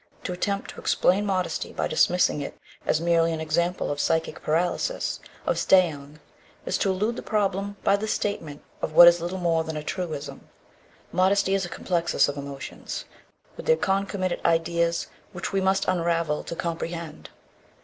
To attempt to explain modesty by dismissing it as merely an example of psychic paralysis, of Stauung, is to elude the problem by the statement of what is little more than a truism. Modesty is a complexus of emotions with their concomitant ideas which we must unravel to comprehend.